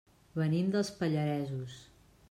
Venim dels Pallaresos.